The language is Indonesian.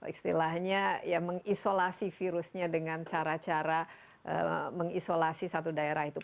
istilahnya ya mengisolasi virusnya dengan cara cara mengisolasi satu daerah itu